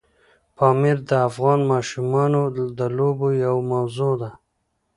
پامیر د افغان ماشومانو د لوبو یوه موضوع ده.